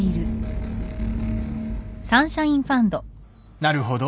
なるほど。